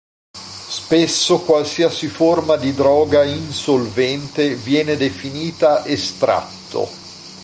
Spesso qualsiasi forma di droga in solvente viene definita estratto.